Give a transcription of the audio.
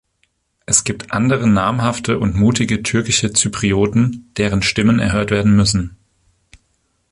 Es gibt andere namhafte und mutige türkische Zyprioten, deren Stimmen erhört werden müssen.